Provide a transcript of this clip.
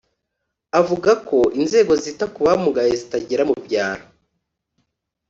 Avuga ko inzego zita ku bamugaye zitagera mu byaro